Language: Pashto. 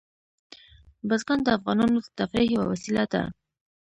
بزګان د افغانانو د تفریح یوه وسیله ده.